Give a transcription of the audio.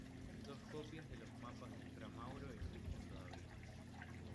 Dos copias de los mapas de Fra Mauro existen todavía.